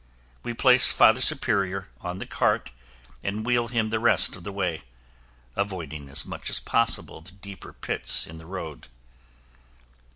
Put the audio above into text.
We place Father Superior on the cart and wheel him the rest of the way, avoiding as much as possible the deeper pits in the road.